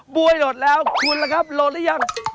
บุยโหดแล้วคุณล่ะครับโหดได้ยัง